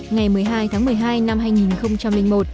ngày một mươi hai tháng một mươi hai năm hai nghìn một